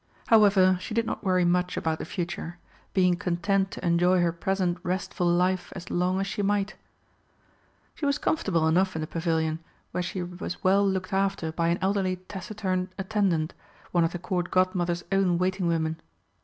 However, she did not worry much about the future, being content to enjoy her present restful life as long as she might. She was comfortable enough in the Pavilion, where she was well looked after by an elderly taciturn attendant, one of the Court Godmother's own waiting women.